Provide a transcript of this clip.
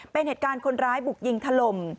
เป็นเหตุการณ์คนร้ายบุกยิงถล่ม